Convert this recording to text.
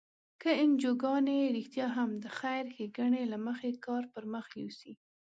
که انجوګانې رښتیا هم د خیر ښیګڼې له مخې کار پر مخ یوسي.